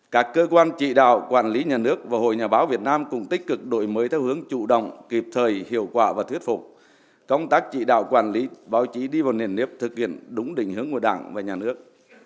các cơ quan trị đạo quản lý nhà nước và hội nhà báo việt nam cũng tích cực đổi mới theo hướng chủ động kịp thời hiệu quả và thuyết phục công tác trị đạo quản lý báo chí đi vào nền nếp thực hiện đúng định hướng của đảng và nhà nước